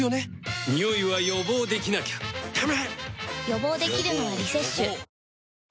予防できるのは「リセッシュ」予防予防。